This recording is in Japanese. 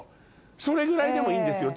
それぐらいでもいいんですよ